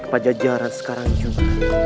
kepada jajaran sekarang juga